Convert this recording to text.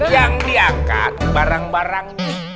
yang diangkat barang barang